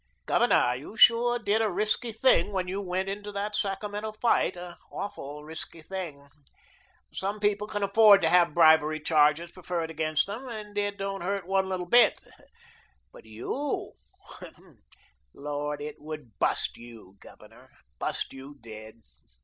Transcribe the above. Governor, you sure did a risky thing when you went into that Sacramento fight, an awful risky thing. Some men can afford to have bribery charges preferred against them, and it don't hurt one little bit, but YOU Lord, it would BUST you, Governor, bust you dead.